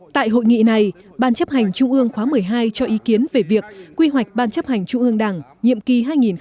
tại hội nghị này ban chấp hành trung ương khóa một mươi hai cho ý kiến về việc quy hoạch ban chấp hành trung ương đảng nhiệm kỳ hai nghìn hai mươi một hai nghìn hai mươi sáu